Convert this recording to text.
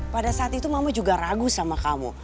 pada saat itu mama juga ragu sama kamu